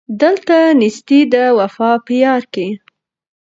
دلته نېستي ده وفا په یار کي